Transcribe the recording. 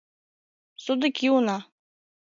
Содыки уна...